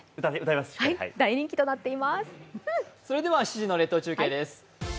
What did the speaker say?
７時の列島中継です。